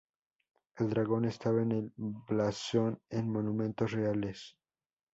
El dragón estaba en el blasón en monumentos reales.